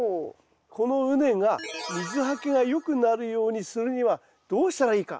この畝が水はけがよくなるようにするにはどうしたらいいか。